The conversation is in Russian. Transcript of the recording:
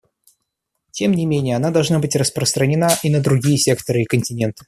Тем не менее, она должна быть распространена и на другие секторы и континенты.